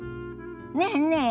ねえねえ